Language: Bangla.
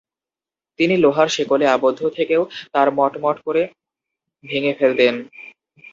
তিনি লোহার শেকলে আবদ্ধ থেকেও তার মট্মট্ করে ভেঙে ফেলতেন।